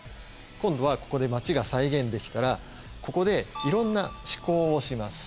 今度はここで街が再現できたらここでいろんな試行をします。